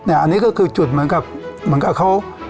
อันนี้ก็คือจุดเหมือนกับเขา